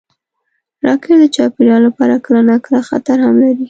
راکټ د چاپېریال لپاره کله ناکله خطر هم لري